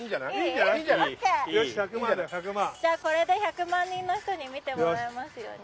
ゃあこれで１００万人の人に見てもらえますように。